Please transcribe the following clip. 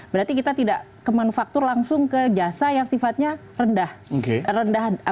berarti kita tidak ke manufaktur langsung ke jasa yang sifatnya rendah